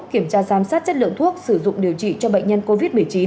kiểm tra giám sát chất lượng thuốc sử dụng điều trị cho bệnh nhân covid một mươi chín